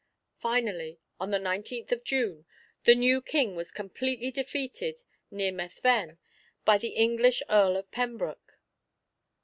Finally, on the nineteenth of June, the new King was completely defeated near Methven by the English Earl of Pembroke.